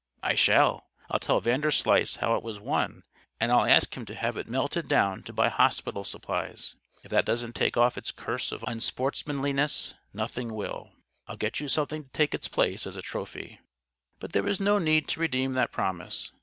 "I shall. I'll tell Vanderslice how it was won; and I'll ask him to have it melted down to buy hospital supplies. If that doesn't take off its curse of unsportsmanliness, nothing will. I'll get you something to take its place, as a trophy." But there was no need to redeem that promise.